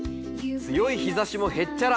強い日ざしもへっちゃら。